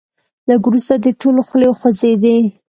لږ وروسته د ټولو خولې خوځېدې.